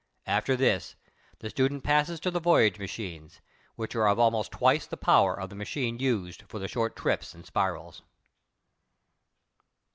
After this, the student passes to the voyage machines, which are of almost twice the power of the machine used for the short trips and spirals.